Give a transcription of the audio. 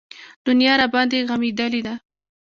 دنيا راباندې غمېدلې وه.